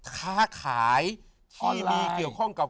ค้าขายที่มีเกี่ยวข้องกับ